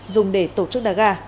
dùng để tổ chức đá gà